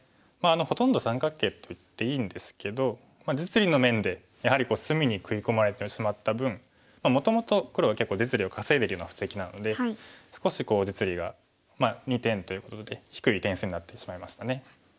ほとんど三角形といっていいんですけど実利の面でやはり隅に食い込まれてしまった分もともと黒が結構実利を稼いでるような布石なので少し実利が２点ということで低い点数になってしまいましたね。